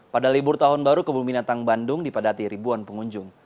pada libur tahun baru kebun binatang bandung dipadati ribuan pengunjung